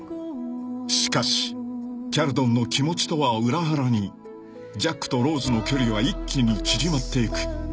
［しかしキャルドンの気持ちとは裏腹にジャックとローズの距離は一気に縮まっていく］